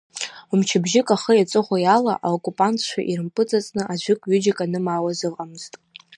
Мчыбжьык ахи аҵыхәеи ала аоккупантцәа ирымпыҵыҵны аӡәык-ҩыџьак анымаауаз ыҟамызт.